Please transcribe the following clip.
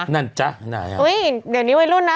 นั่นจ๊ะอุ้ยเดี๋ยวนี้ไว้รุ่นนะ